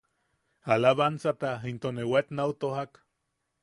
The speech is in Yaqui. Alabansata into ne waet nau tojak.